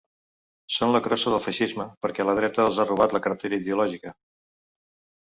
Són la crossa del feixisme, perquè la dreta els ha robat la cartera ideològica.